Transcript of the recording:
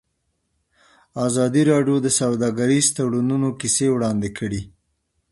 ازادي راډیو د سوداګریز تړونونه کیسې وړاندې کړي.